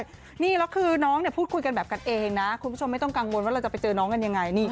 นี่แล้วคือน้องเนี่ยพูดคุยกันแบบกันเองนะคุณผู้ชมไม่ต้องกังวลว่าเราจะไปเจอน้องกันยังไง